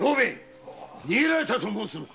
逃げられたと申すのか？